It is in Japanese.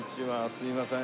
すいません。